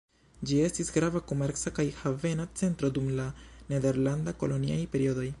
Ĝi estis grava komerca kaj havena centro dum la nederlanda koloniaj periodoj.